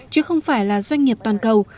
chứ không phải là doanh nghiệp toàn cầu